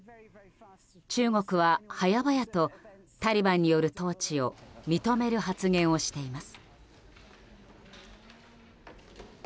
中国は早々とタリバンによる統治を認める発言をしています。